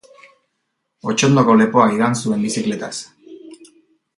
Otsondoko lepoa igan zuen bizikletaz.